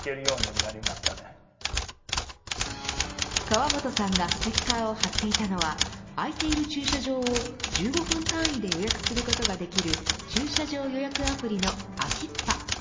河本さんがステッカーを貼っていたのは空いている駐車場を１５分単位で予約することができる駐車場予約アプリのａｋｉｐｐａ。